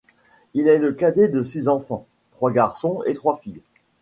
Il est le cadet de six enfants, trois garçons et trois filles.